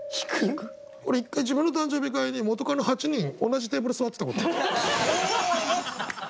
俺１回自分の誕生日会に元カノ８人同じテーブル座ってたことある。